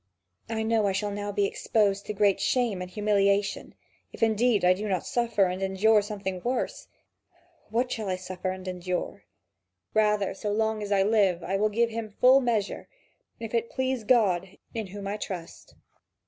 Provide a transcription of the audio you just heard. I know I shall now be exposed to great shame and humiliation, if indeed I do not suffer and endure something worse. What shall I suffer and endure? Rather, so long as I live, I will give him full measure, if it please God, in whom I trust."